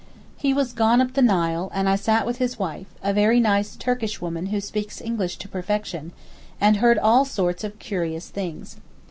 He was gone up the Nile, and I sat with his wife—a very nice Turkish woman who speaks English to perfection—and heard all sorts of curious things.